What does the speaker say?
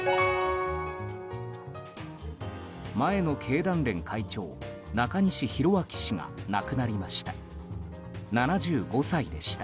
前の経団連会長中西宏明氏が亡くなりました。